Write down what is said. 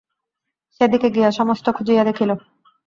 সেদিকে গিয়া সমস্ত খুজিয়া দেখিল।